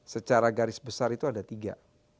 secara garis besar itu ada tiga